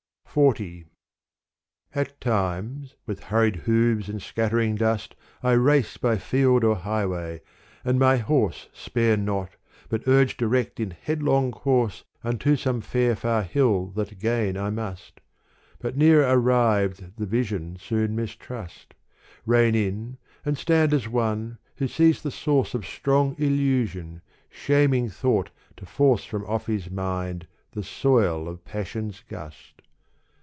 XL At times with hurried hoofs and scattering dust I race by field or highway, and my horse Spare not but urge direct in headlong course Unto some fair far hill that gain I must : But near arrived the vision soon mistrust, Rein in and stand as one who sees the source Of strong illusion, shaming thought to force From off his mind the soil of passion's gust.